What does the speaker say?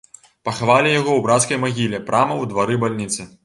Пахавалі яго ў брацкай магіле прама ў двары бальніцы.